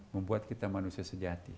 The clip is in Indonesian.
membuat kita manusia sejati